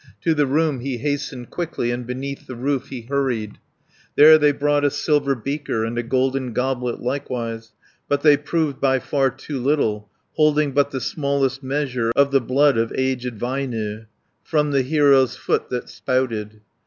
To the room he hastened quickly, And beneath the roof he hurried. There they brought a silver beaker, And a golden goblet likewise, But they proved by far too little, Holding but the smallest measure 10 Of the blood of aged Väinö, From the hero's foot that spouted.